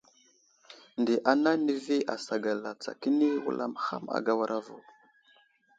Nde ana nəvi asagala tsa kəni wulam ham agawara vo.